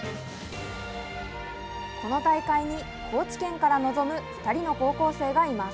この大会に高知県から臨む２人の高校生がいます。